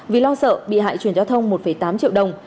vì lo sợ bị hại truyền cho thông một tám triệu đồng